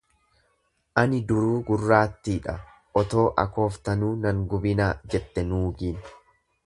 Ani duruu gurraattiidha otoo akooftanuu nan gubinaa jette nuugiin.